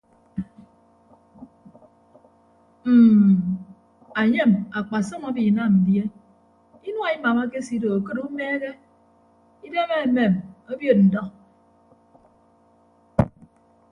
Mm anyem akpasọm abinam die inua imam akesido akịd umeehe idem amem obiod ndọ.